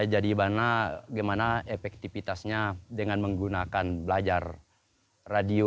jadi bagaimana efektivitasnya dengan menggunakan belajar radio